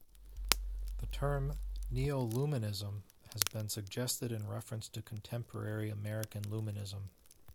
The term "neoluminism" has been suggested in reference to contemporary American luminism.